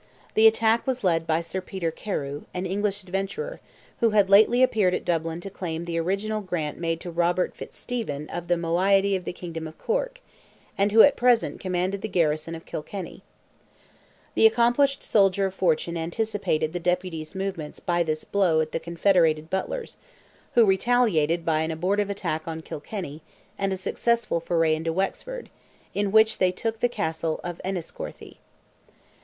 The attack was led by Sir Peter Carew, an English adventurer, who had lately appeared at Dublin to claim the original grant made to Robert Fitzstephen of the moiety of the kingdom of Cork, and who at present commanded the garrison of Kilkenny. The accomplished soldier of fortune anticipated the Deputy's movements by this blow at the confederated Butlers, who retaliated by an abortive attack on Kilkenny, and a successful foray into Wexford, in which they took the Castle of Enniscorthy.